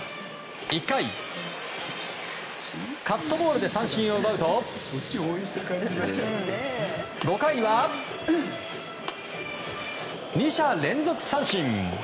１回カットボールで三振を奪うと５回には２者連続三振。